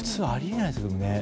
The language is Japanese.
あり得ないですよね。